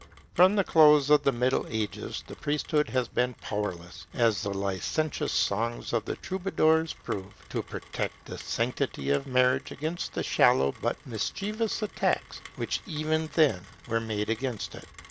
From the close of the Middle Ages the priesthood has been powerless, as the licentious songs of the troubadours prove, to protect the sanctity of marriage against the shallow but mischievous attacks which even then were made against it.